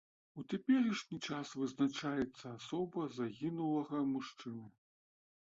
У цяперашні час вызначаецца асоба загінулага мужчыны.